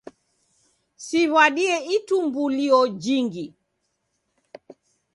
Siw'adie itumbulio jingi.